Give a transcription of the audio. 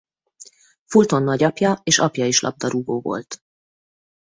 Fulton nagyapja és apja is labdarúgó volt.